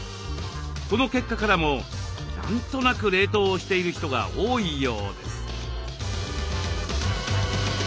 この結果からも何となく冷凍をしている人が多いようです。